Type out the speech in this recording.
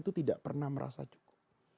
itu tidak pernah merasa cukup